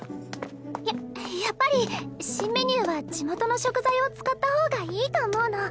ややっぱり新メニューは地元の食材を使った方がいいと思うの。